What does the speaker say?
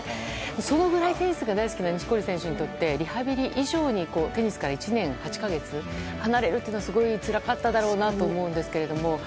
そのぐらいテニスが大好きな錦織選手にとってリハビリ以上にテニスから１年８か月離れるというのはすごいつらかっただろうなと思うんですけども。